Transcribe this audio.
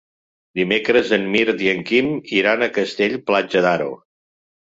Dimecres en Mirt i en Quim iran a Castell-Platja d'Aro.